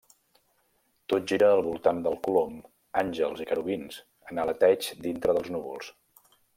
Tot gira al voltant del colom, àngels i querubins en aleteig dintre dels núvols.